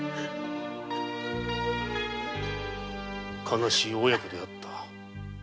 悲しい母子であった。